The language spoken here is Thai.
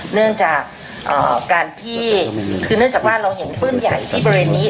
เนื่องจากการที่คือเนื่องจากว่าเราเห็นปื้นใหญ่ที่บริเวณนี้